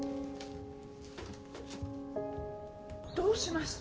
どうしました？